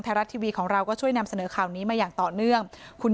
ไทยรัฐทีวีของเราก็ช่วยนำเสนอข่าวนี้มาอย่างต่อเนื่องคุณ